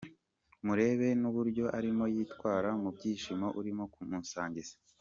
Murebe n’uburyo arimo yitwara mu byishimo urimo kumusangiza.